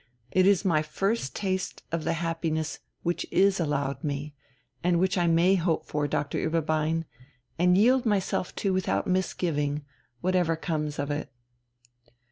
It is my first taste of the happiness which is allowed me, and which I may hope for, Doctor Ueberbein, and yield myself to without misgiving, whatever comes of it...."